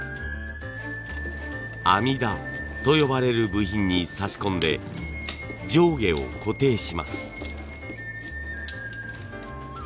「あみだ」と呼ばれる部品に差し込んで上下を固定します。